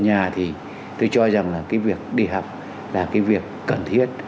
nhà thì tôi cho rằng là cái việc đi học là cái việc cần thiết